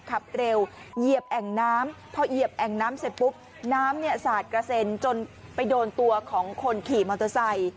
ขับเร็วเหยียบแอ่งน้ำพอเหยียบแอ่งน้ำเสร็จปุ๊บน้ำเนี่ยสาดกระเซ็นจนไปโดนตัวของคนขี่มอเตอร์ไซค์